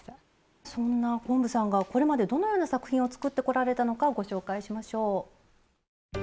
そんな昆布さんがこれまでどのような作品を作ってこられたのかご紹介しましょう。